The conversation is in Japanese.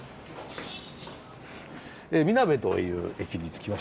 南部という駅に着きました。